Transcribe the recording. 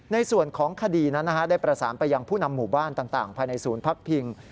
ในส่วนของคดีนั้นได้ประสานไปยังผู้นำหมู่บ้านต่างภายในศูนย์พักพิง